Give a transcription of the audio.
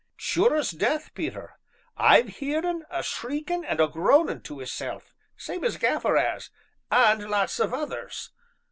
"Sure as death, Peter. I've heerd un a shriekin' and a groanin' to 'isself, same as Gaffer 'as, and lots of others.